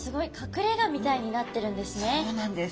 そうなんです。